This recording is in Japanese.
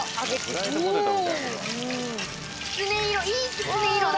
きつね色いいきつね色だ。